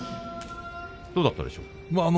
どうだったでしょうか。